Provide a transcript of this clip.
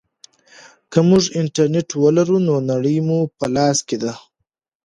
که موږ انټرنیټ ولرو نو نړۍ مو په لاس کې ده.